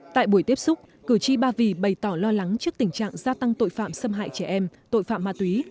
tại buổi tiếp xúc cử tri ba vì bày tỏ lo lắng trước tình trạng gia tăng tội phạm xâm hại trẻ em tội phạm ma túy